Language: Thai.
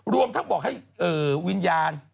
รวมทั้งบอกให้วิญญาณ